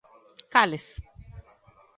¿Cales?